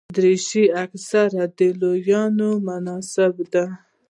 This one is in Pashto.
دریشي اکثره د لورینو مناسبو ده.